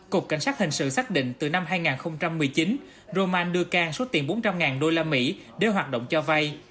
cục cảnh sát hình sự xác định từ năm hai nghìn một mươi chín roman đưa can số tiền bốn trăm linh usd để hoạt động cho vay